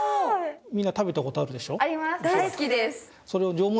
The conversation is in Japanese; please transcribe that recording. みんな食べたことあるでしょ？